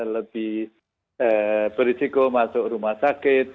lebih berisiko masuk rumah sakit